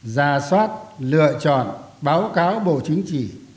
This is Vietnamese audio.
rà soát lựa chọn báo cáo bộ chính trị